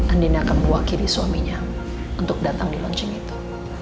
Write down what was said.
andina akan mewakili suaminya untuk datang di launching itu